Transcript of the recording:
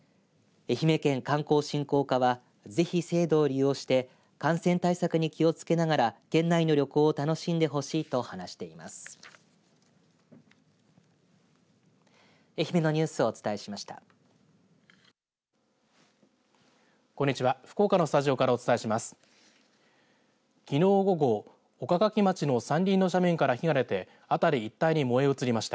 愛媛のニュースをお伝えしました。